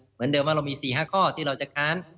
เหมือนเดิมว่าเรามี๔๕ข้อที่เราจะค้าน